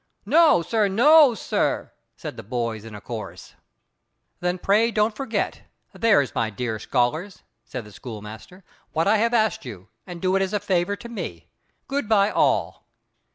"No, sir! no, sir!" said the boys in a chorus. "Then pray don't forget—there's my dear scholars," said the schoolmaster—"what I have asked you, and do it as a favour to me. Good bye all."